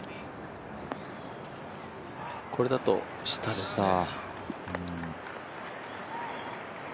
これだと下ですね。